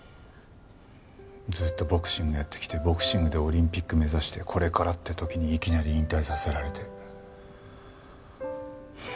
ずっとボクシングやってきてボクシングでオリンピック目指してこれからって時にいきなり引退させられて。